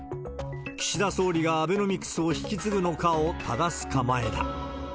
岸田総理がアベノミクスを引き継ぐのかをただす構えだ。